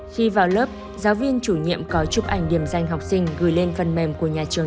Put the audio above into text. khi vào lớp giáo viên chủ nhiệm có chụp ảnh điểm danh học sinh gửi lên phần mềm của nhà trường